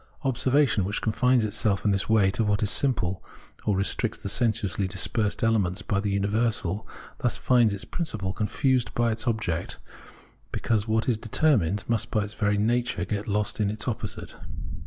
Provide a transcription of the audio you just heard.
Observation, which confines itself in this way to what is simple, or restricts the sensuously dispersed elements by the imiversal, thus finds its principle confused by its object, because what is determined must by its very nature get lost in its opposite.